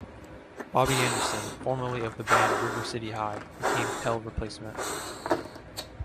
Bobby Anderson, formerly of the band River City High, became Tell replacement.